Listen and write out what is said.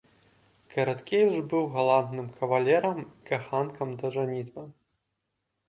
Караткевіч быў галантным кавалерам і каханкам да жаніцьбы.